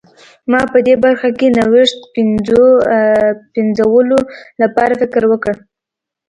ما په دې برخه کې نوښت پنځولو لپاره فکر وکړ.